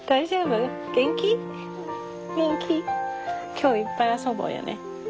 今日いっぱい遊ぼうやね。